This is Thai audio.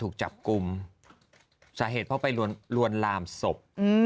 การลามศพ